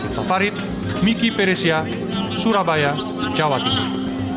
gita farid miki peresia surabaya jawa timur